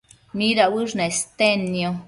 midauësh nestednio?